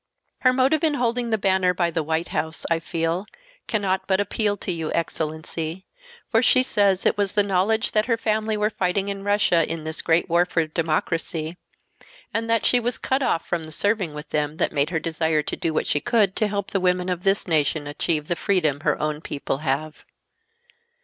Her motive in holding the banner by the White House, I feel, cannot but appeal to you, Excellency, for she says it was the knowledge that her family were fighting in Russia in this great war for democracy, and that she was cut off from serving with them that made her desire to do what she could to help the women of this nation achieve the freedom her own people have.